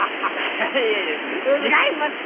いやいやいや違いますき！